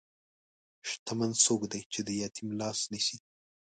شتمن څوک دی چې د یتیم لاس نیسي.